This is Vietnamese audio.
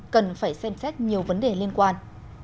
cần phải xem xét nhiều vấn đề liên quan